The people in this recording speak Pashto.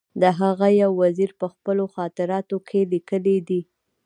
د هغه یو وزیر په خپلو خاطراتو کې لیکلي دي.